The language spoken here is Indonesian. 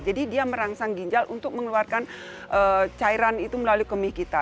jadi dia merangsang ginjal untuk mengeluarkan cairan itu melalui kemih kita